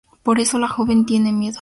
Por eso la joven tiene miedo.